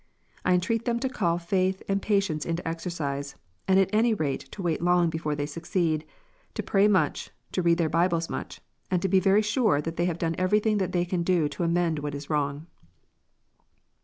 I entreat them to call faith and patience into exercise, and at any rate to wait long before they secede, to pray much, to read their Bibles much, and to be very sure that they have done everything that can be done to amend what is wrong.